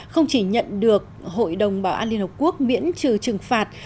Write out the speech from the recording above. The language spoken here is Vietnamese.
không chỉ nhận được hội đồng bảo an liên hợp quốc miễn trừ trừng phạt